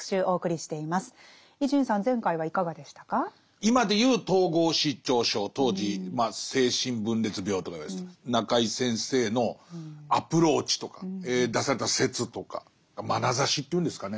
今でいう統合失調症当時精神分裂病とか言われてた中井先生のアプローチとか出された説とかそれからまなざしというんですかね